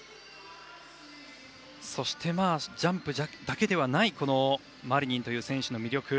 そして、ジャンプだけではないマリニンという選手の魅力。